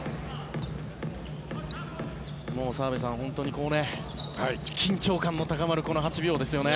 もう澤部さん、本当に緊張感も高まるこの８秒ですよね。